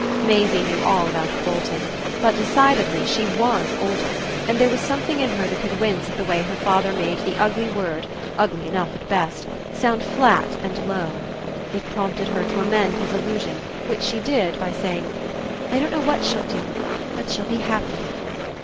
Maisie knew all about bolting, but, decidedly, she WAS older, and there was something in her that could wince at the way her father made the ugly word ugly enough at best sound flat and low. It prompted her to amend his allusion, which she did by saying: "I don't know what she'll do. But she'll be happy."